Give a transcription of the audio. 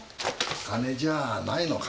金じゃないのかも。